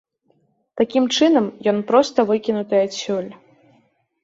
Такім чынам ён проста выкінуты адсюль.